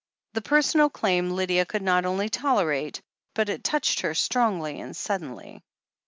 The personal claim Lydia could not only tolerate, but it touched her strongly and suddenly.